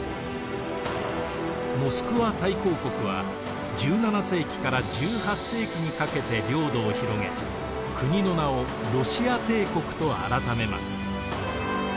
モスクワ大公国は１７世紀から１８世紀にかけて領土を広げ国の名をロシア帝国と改めます。